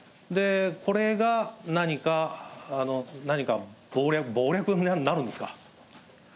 これが何か、何か謀略になるんですか。